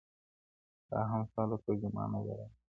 دا هم ستا له ترجمان نظره غواړم,